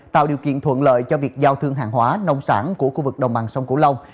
tạo điều kiện thuận lợi cho việc giao thương hàng hóa nông sản của khu vực đồng bằng sông cửu long